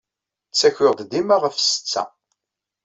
Ttakiɣ-d dima ɣef ssetta.